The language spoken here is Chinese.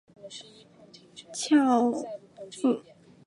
翘腹希蛛为球蛛科希蛛属的动物。